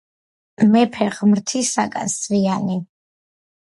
მეფე ღმრთისაგან სვიანი